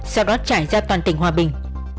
sau đó trải ra toàn tỉnh hòa bình